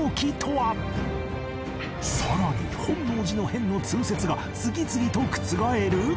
さらに本能寺の変の通説が次々と覆る！？